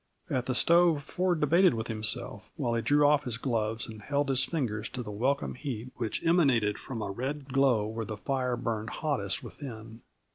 At the stove Ford debated with himself while he drew off his gloves and held his fingers to the welcome heat which emanated from a red glow where the fire burned hottest within.